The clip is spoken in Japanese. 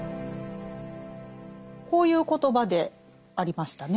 こういう言葉でありましたね。